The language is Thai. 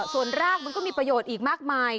ส่วนรากมันก็มีประโยชน์อีกมากมาย